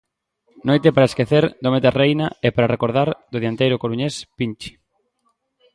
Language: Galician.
Noite para esquecer do meta Reina e para recordar do dianteiro coruñés Pinchi.